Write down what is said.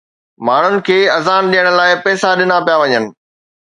ماڻهن کي اذان ڏيڻ لاءِ پئسا ڏنا پيا وڃن.